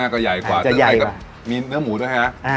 ก็ใหญ่กว่ามีเนื้อหมูด้วยฮะ